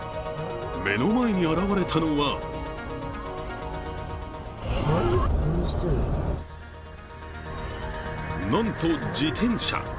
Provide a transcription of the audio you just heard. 目の前に現れたのはなんと自転車。